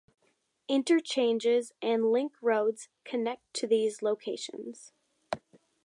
Interchanges and link roads connect to these locations.